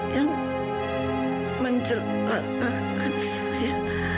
yang menjelaskan saya